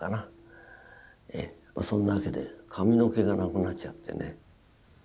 そんなわけで髪の毛がなくなっちゃってね。